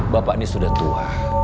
bapak ini sudah tua